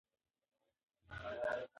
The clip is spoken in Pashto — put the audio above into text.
هغه ماشوم چې ژاړي، مور یې ورته راغله.